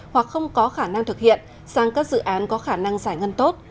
hoặc không có khả năng thực hiện sang các dự án có khả năng giải ngân tốt